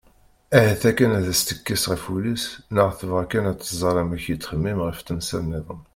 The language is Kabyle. Ahat akken ad as-tekkes ɣef wul-is neɣ tebɣa kan ad tẓer amek yettxemmim ɣef temsal-nniḍen.